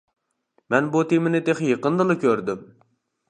مەن بۇ تېمىنى تېخى يېقىندىلا كۆردۈم.